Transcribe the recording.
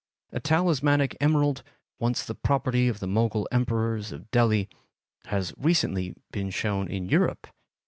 A talismanic emerald, once the property of the Mogul emperors of Delhi, has recently been shown in Europe.